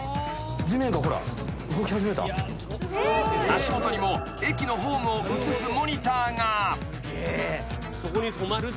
［足元にも駅のホームを映すモニターが］